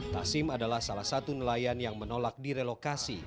tasim adalah salah satu nelayan yang menolak direlokasi